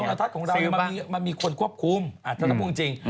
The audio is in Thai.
ในจังหวัดทัศน์ของเรามันมีคนควบคุมถ้าพูดจริง